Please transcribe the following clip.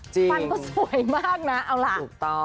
จริงถูกต้องฟันก็สวยมากนะเอาล่ะ